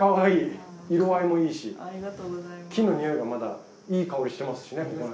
木の匂いがまだいい香りしてますしね。